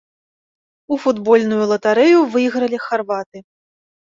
У футбольную латарэю выйгралі харваты.